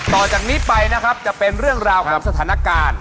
ต่อจากนี้ไปนะครับจะเป็นเรื่องราวของสถานการณ์